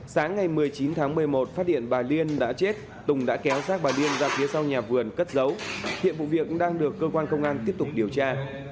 sáng ngày một mươi chín tháng một mươi một phát điện bà liên đã chết tùng đã kéo xác bà điên ra phía sau nhà vườn cất giấu hiện vụ việc đang được cơ quan công an tiếp tục điều tra